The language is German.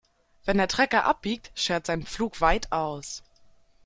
Wenn der Trecker abbiegt, schert sein Pflug weit aus.